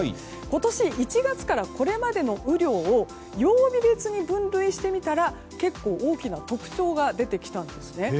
今年１月からこれまでの雨量を曜日別に分類してみたら結構大きな特徴が出てきたんです。